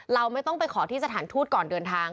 เราไม่ต้องไปขอที่สถานทูตก่อนเดินทาง